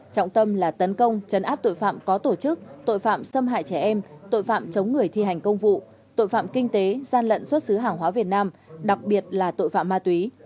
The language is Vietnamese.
trọng tâm là tấn công chấn áp tội phạm có tổ chức tội phạm xâm hại trẻ em tội phạm chống người thi hành công vụ tội phạm kinh tế gian lận xuất xứ hàng hóa việt nam đặc biệt là tội phạm ma túy